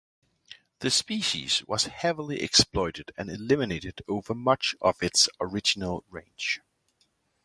The species was heavily exploited and eliminated over much of its original range.